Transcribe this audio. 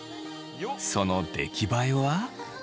その出来栄えは。